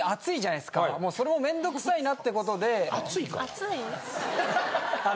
それもめんどくさいなってことで。